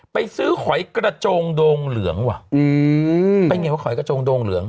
ไปซื้อขอยกระโจงโดงเหลืองเหมือนกันสิวะไปง่ายขอยกระโจงโดงเหลือง